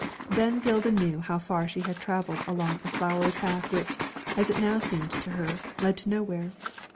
then Zilda knew how far she had travelled along a flowery path which, as it now seemed to her, led to nowhere.